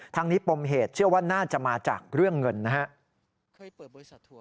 ทั้งนี้ปมเหตุเชื่อว่าน่าจะมาจากเรื่องเงินนะครับ